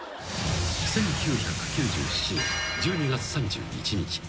［１９９７年１２月３１日］